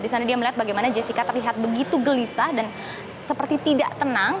di sana dia melihat bagaimana jessica terlihat begitu gelisah dan seperti tidak tenang